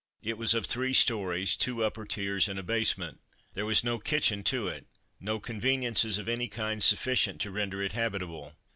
It was of three stories, two upper tiers and a basement. There was no kitchen to it, no conveniences of any kind sufficient to render it habitable.